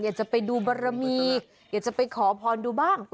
อยากจะไปดูบารมีอยากจะไปขอพรดูบ้าง